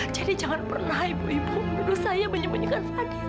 jadi jangan pernah ibu menjelaskan